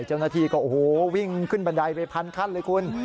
เจ้าหน้าที่ก็โอ้โหวิ่งขึ้นบันไดไปพันขั้นเลยคุณ